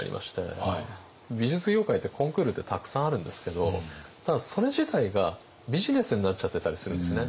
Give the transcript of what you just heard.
美術業界ってコンクールってたくさんあるんですけどただそれ自体がビジネスになっちゃってたりするんですね。